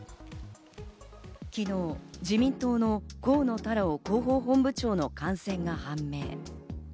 昨日、自民党の河野太郎広報本部長の感染が判明。